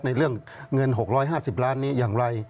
ในเรื่องเงิน๖๕๐ล้านนี้อย่างไร